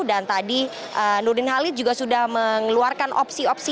dan tadi nurdin halid juga sudah mengeluarkan opsi opsi